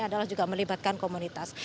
ini juga melibatkan komunitas